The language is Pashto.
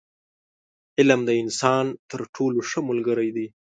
• علم، د انسان تر ټولو ښه ملګری دی.